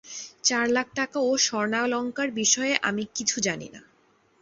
চার লাখ টাকা ও স্বর্ণালংকার বিষয়ে আমি কিছু জানি না।